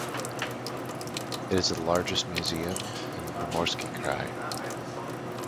It is the largest museum in the Primorsky Krai.